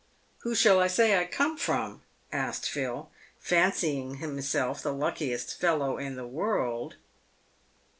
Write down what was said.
" Who shall I say I come from ?" asked Phil, fancying himself the luckiest fellow in the world.